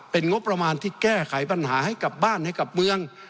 เป็นงบประมาณที่แก้ไขปัญหาให้กับบ้านให้กับเมือง